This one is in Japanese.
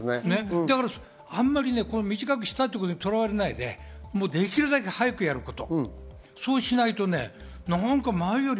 あんまり短くしたっていうことにとらわれないで、できるだけ早くやること。